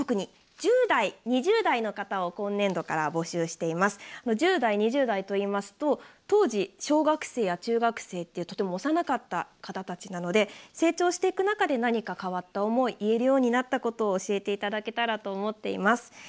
１０代、２０代といいますと当時、中学生や小学生でとても幼かった方たちなので成長していく中で何か変わった思いいえるようになったことを届けてほしいと思います。